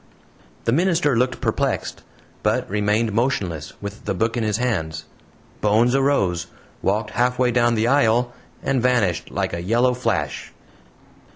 The minister looked perplexed, but remained motionless, with the book in his hands. Bones arose, walked halfway down the aisle, and vanished like a yellow flash!